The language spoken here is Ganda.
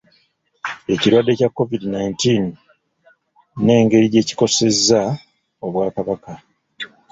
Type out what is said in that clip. Ekirwadde kya COVID nineteen n'engeri gye kikosezza Obwakabaka